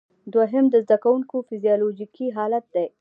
دوهم د زده کوونکي فزیالوجیکي حالت دی.